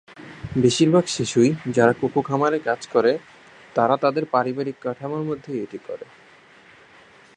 বেশিরভাগ শিশু যারা কোকো খামারে কাজ করে তারা তাদের পারিবারিক কাঠামোর মধ্যেই এটি করে।